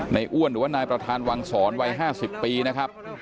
อ้วนหรือว่านายประธานวังศรวัย๕๐ปีนะครับ